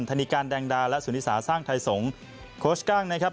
ธนิการแดงดาและสุนิสาสร้างไทยสงศ์โค้ชกั้งนะครับ